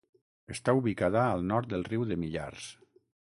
Està ubicada al nord del riu de Millars.